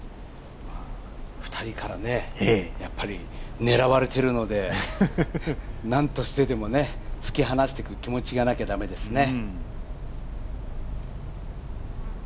２人からやっぱり、狙われているのでなんとしてでも、突き放していく気持ちでいかないとですね。